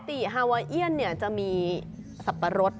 ปกติฮาไวเอียนเนี่ยจะมีสับปะรส